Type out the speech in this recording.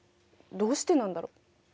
どうしてなんだろう？